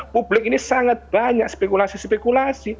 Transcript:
publik ini sangat banyak spekulasi spekulasi